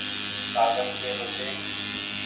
ڪآگز ڪي رو ڇي۔